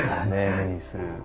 目にする。